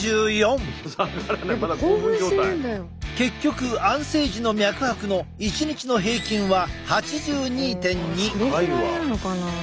結局安静時の脈拍の一日の平均は８２．２。